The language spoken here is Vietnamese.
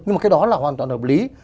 nhưng mà cái đó là hoàn toàn hợp lý